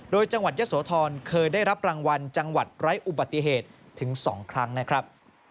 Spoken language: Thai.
โดยจังหวัดยะโสธรเคยได้รับรางวัลจังหวัดไร้อุบัติเหตุถึง๒ครั้งนะครับ